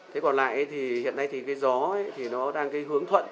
thế còn lại thì hiện nay thì cái gió thì nó đang cái hướng thuận